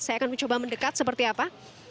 saya akan mencoba mendekat seperti apa